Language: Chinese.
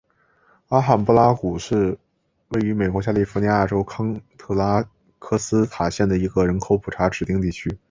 阿罕布拉谷是位于美国加利福尼亚州康特拉科斯塔县的一个人口普查指定地区。